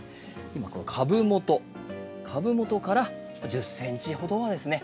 今この株元株元から１０ｃｍほどはですね